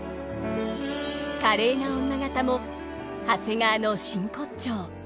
華麗な女方も長谷川の真骨頂。